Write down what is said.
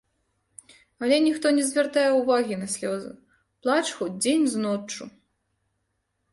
Але ніхто не звяртае ўвагі на слёзы, плач хоць дзень з ноччу.